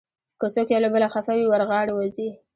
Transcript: که څوک یو له بله خفه وي، ور غاړې وځئ.